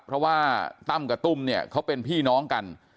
เพราะว่าตั้มกับตุ้มเนี่ยเขาเป็นพี่น้องกัน